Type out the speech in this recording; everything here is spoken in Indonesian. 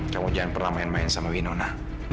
kamu jangan pernah main main sama winona